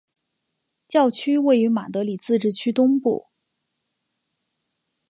教区位于马德里自治区东部。